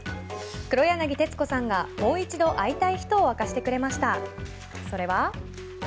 黒柳徹子さんがもう一度会いたい人を明かしてくれました、それは？